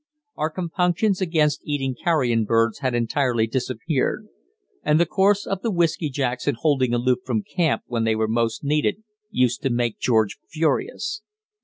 Our compunctions against eating carrion birds had entirely disappeared, and the course of the whiskey jacks in holding aloof from camp when they were most needed used to make George furious.